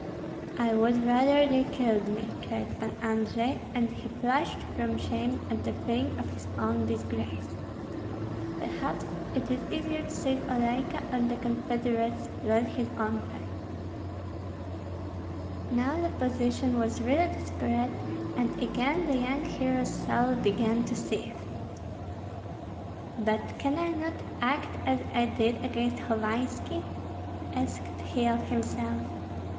"I would rather they killed me!" cried Pan Andrei; and he flushed from shame and the feeling of his own disgrace. Perhaps it is easier to save Olenka or the confederates than his own fame. Now the position was really desperate, and again the young hero's soul began to seethe. "But can I not act as I did against Hovanski?" asked he of himself.